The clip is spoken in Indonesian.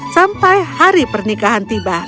dan seluruh kerajaan akan menikah setelah dua minggu